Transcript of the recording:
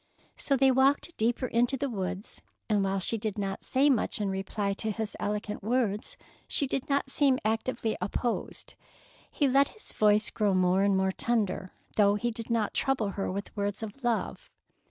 So they walked the deeper into the woods, and while she did not say much in reply to his eloquent words, she did not seem actively opposed. He let his voice grow more and more tender, though he did not trouble her with words of love.